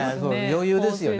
余裕ですよね。